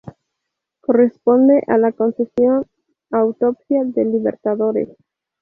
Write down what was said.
Corresponde a la Concesión Autopista Los Libertadores.